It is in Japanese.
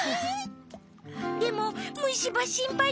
でもむしばしんぱいだね？